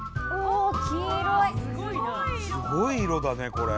すごい色だねこれ。